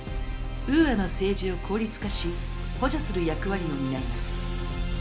ウーアの政治を効率化し補助する役割を担います。